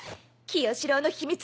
清司郎の秘密